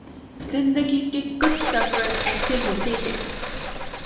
زندگی کے کچھ سفر ایسے ہوتے ہیں